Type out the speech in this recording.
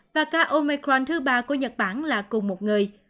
và ca omecron thứ ba của nhật bản là cùng một người